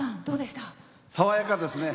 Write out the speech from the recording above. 爽やかですね。